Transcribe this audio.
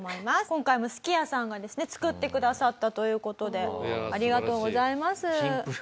今回もすき家さんがですね作ってくださったという事でありがとうございます。